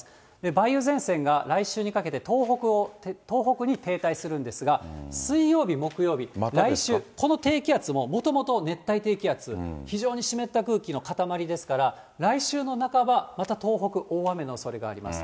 梅雨前線が来週にかけて東北に停滞するんですが、水曜日、木曜日、来週、この低気圧も、もともと熱帯低気圧、非常に湿った空気のかたまりですから、来週の半ば、また東北、大雨のおそれがあります。